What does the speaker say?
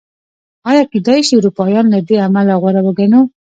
ایا کېدای شي اروپایان له دې امله غوره وګڼو؟